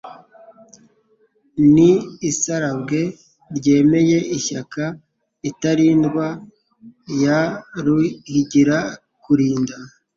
Ni isarabwe ryemeye ishyaka. Intarindwa ya ruhigira kurinda,